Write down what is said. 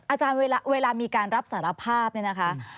อาจารย์เวลามีการรับสารภาพเนี่ยนะคะ